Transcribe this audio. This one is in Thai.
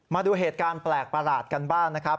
มาดูเหตุการณ์แปลกประหลาดกันบ้างนะครับ